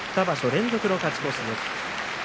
２場所連続の勝ち越しです。